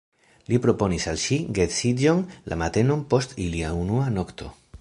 Li proponis al ŝi geedziĝon la matenon post ilia unua nokto.